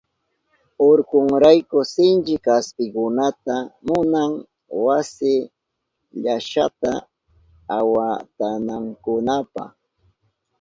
Urkunrayku sinchi kaspikunata munan wasi llashata awantanankunapa.